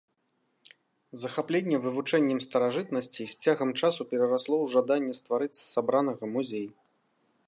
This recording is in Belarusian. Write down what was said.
Захапленне вывучэннем старажытнасцей з цягам часу перарасло ў жаданне стварыць з сабранага музей.